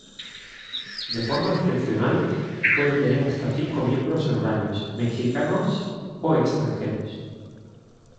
De forma excepcional puede tener hasta cinco miembros honorarios, mexicanos o extranjeros.